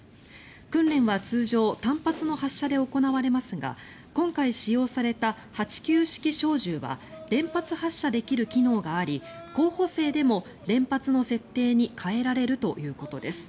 訓練は通常単発の発射で行われますが今回使用された８９式小銃は連発発射できる機能があり候補生でも連発の設定に変えられるということです。